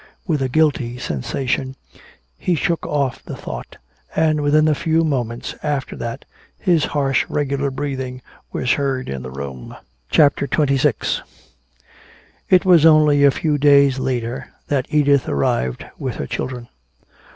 With a guilty sensation he shook off the thought, and within a few moments after that his harsh regular breathing was heard in the room. CHAPTER XXVI It was only a few days later that Edith arrived with her children.